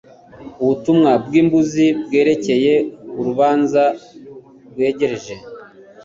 ubutumwa bw'imbuzi bwerekeye urubanza rwegereje